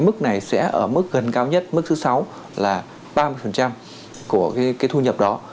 cơ quan thuế này sẽ ở mức gần cao nhất mức thứ sáu là ba mươi của cái thu nhập đó